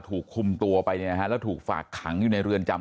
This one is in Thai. ถูกคุมตัวไปเนี่ยนะฮะแล้วถูกฝากขังอยู่ในเรือนจำ